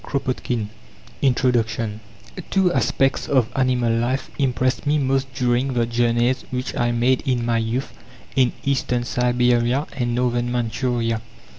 KROPOTKIN 1902 INTRODUCTION Two aspects of animal life impressed me most during the journeys which I made in my youth in Eastern Siberia and Northern Manchuria.